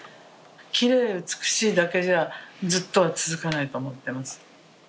きれい美しいだけじゃずっとは続かないと思ってます。